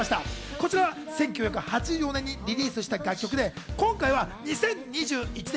こちらは１９８４年にリリースした楽曲で、今回は２０２１年